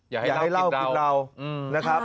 อยากให้เหล้ากินเหล้า